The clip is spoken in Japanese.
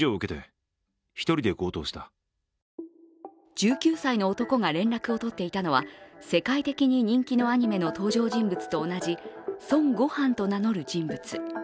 １９歳の男が連絡を取っていたのは世界的に人気のアニメの登場人物と同じ孫悟飯と名乗る人物。